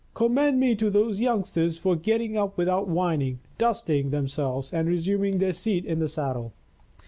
Commend me to those youngsters for getting up without whining, dusting themselves and resuming their seat in the saddle!